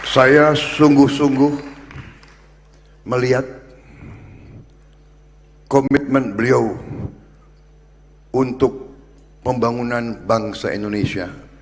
saya sungguh sungguh melihat komitmen beliau untuk pembangunan bangsa indonesia